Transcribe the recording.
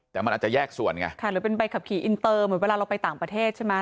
แต่มันอาจจะแยกส่วนไงค่ะหรือเป็นใบขับขี่อินเตอร์เหมือนเวลาเราไปต่างประเทศใช่ไหม